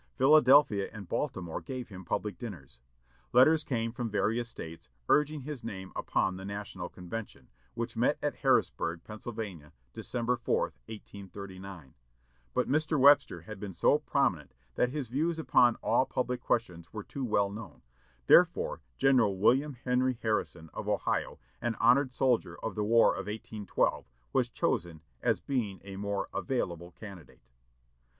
Philadelphia and Baltimore gave him public dinners. Letters came from various States urging his name upon the National Convention, which met at Harrisburg, Pennsylvania, December 4, 1839. But Mr. Webster had been so prominent that his views upon all public questions were too well known, therefore General William Henry Harrison, of Ohio, an honored soldier of the War of 1812, was chosen, as being a more "available" candidate.